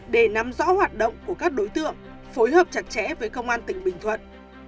để nắm rõ hoạt động của các đối tượng phối hợp chặt chẽ với công an tỉnh bình thuận